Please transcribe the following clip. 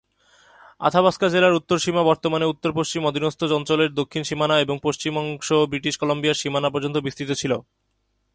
Athabasca জেলার উত্তর সীমা, বর্তমানে উত্তর পশ্চিম অধীনস্থ অঞ্চলের দক্ষিণ সীমানা এবং পশ্চিম অংশ ব্রিটিশ কলাম্বিয়ার সীমানা পর্যন্ত বিস্তৃত ছিল।